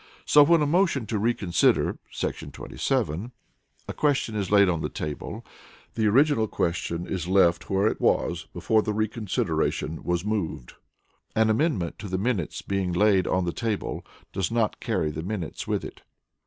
(b) So when a motion to reconsider [§ 27] a question is laid on the table, the original question is left where it was before the reconsideration was moved. (c) An amendment to the minutes being laid on the table does not carry the minutes with it.